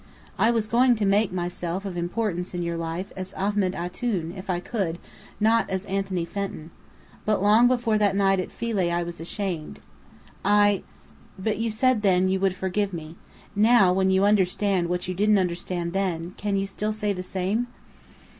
I was going to make myself of importance in your life as Ahmed Antoun, if I could, not as Anthony Fenton. But long before that night at Philae I was ashamed. I but you said then, you would forgive me. Now, when you understand what you didn't understand then, can you still say the same?"